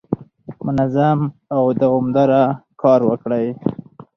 منظم او دوامداره کار وکړئ.